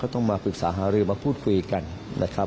ต้องมาปรึกษาหารือมาพูดคุยกันนะครับ